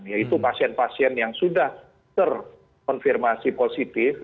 yaitu pasien pasien yang sudah terkonfirmasi positif